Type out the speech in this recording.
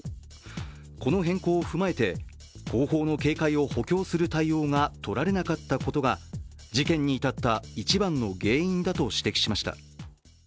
この変更を踏まえて後方の警戒を補強する対応が取られなかったことが事件に至った一番の原因だと指摘しました。